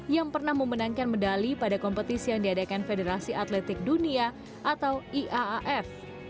yang pernah memenangkan medali pada kompetisi yang diadakan federasi atletik dunia atau iaaf